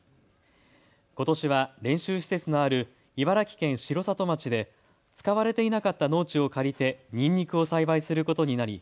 ことしは練習施設のある茨城県城里町で使われていなかった農地を借りてにんにくを栽培することになり